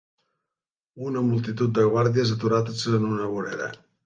Una multitud de guàrdies aturats en una vorera.